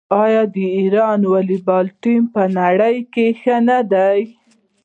آیا د ایران والیبال ټیم په نړۍ کې ښه نه دی؟